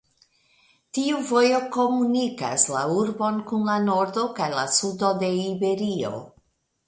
Tiu vojo komunikas la urbon kun la nordo kaj la sudo de Iberio.